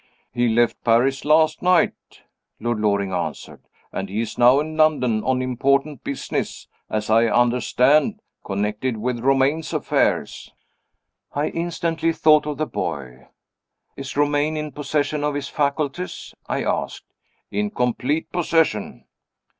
"He left Paris last night," Lord Loring answered; "and he is now in London, on important business (as I understand) connected with Romayne's affairs." I instantly thought of the boy. "Is Romayne in possession of his faculties?" I asked. "In complete possession."